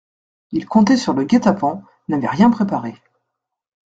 Ils comptaient sur le guet-apens, n'avaient rien préparé.